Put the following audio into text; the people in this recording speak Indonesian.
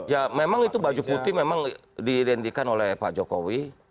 ya memang itu baju putih memang diidentikan oleh pak jokowi